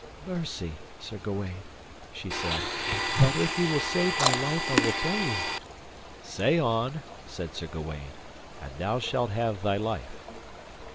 Mercy, Sir Gawaine, she said, and if ye will save my life I will tell you. Say on, said Sir Gawaine, and thou shalt have thy life.